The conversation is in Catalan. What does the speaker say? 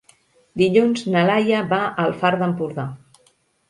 Dilluns na Laia va al Far d'Empordà.